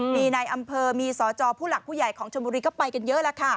มีในอำเภอมีสจผู้หลักผู้ใหญ่ของชนบุรีก็ไปกันเยอะแล้วค่ะ